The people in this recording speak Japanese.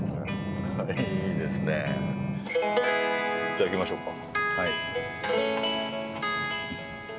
じゃあいきましょうか。